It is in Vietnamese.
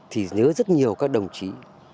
thì nhớ rất nhiều các đồng chí